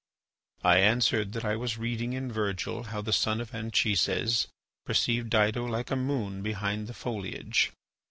I answered that I was reading in Virgil how the son of Anchises perceived Dido like a moon behind the foliage.